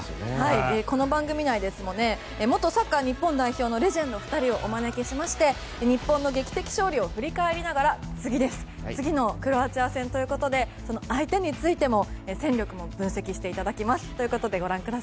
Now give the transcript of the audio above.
この番組内で元日本代表のレジェンド２人をお招きしまして日本の劇的勝利を振り返りながら次のクロアチア戦ということで相手についても戦力も分析していただきます。